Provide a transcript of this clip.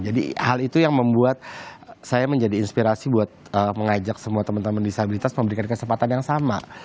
jadi hal itu yang membuat saya menjadi inspirasi buat mengajak semua teman teman disabilitas memberikan kesempatan yang sama